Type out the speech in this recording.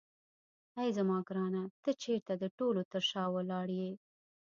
اې زما ګرانه ته چیرې د ټولو تر شا ولاړ یې.